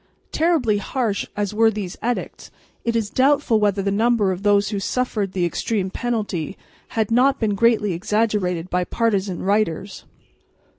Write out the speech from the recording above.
Terribly harsh as were these edicts, it is doubtful whether the number of those who Suffered the extreme penalty has not been greatly exaggerated by partisan writers.